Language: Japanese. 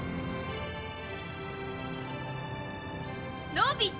のび太！